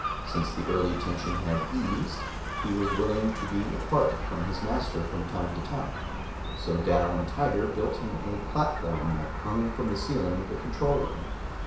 Since the early tension had eased, he was willing to be apart from his master from time to time, so Dal and Tiger built him a platform that hung from the ceiling of the control room.